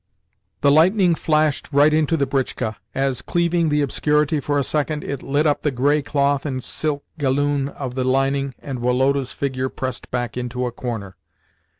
The lightning flashed right into the britchka as, cleaving the obscurity for a second, it lit up the grey cloth and silk galloon of the lining and Woloda's figure pressed back into a corner.